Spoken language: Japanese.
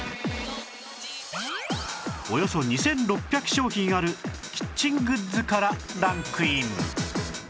およそ２６００商品あるキッチングッズからランクイン